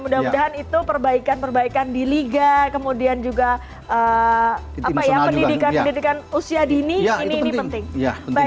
mudah mudahan itu perbaikan perbaikan di liga kemudian juga pendidikan pendidikan usia dini ini penting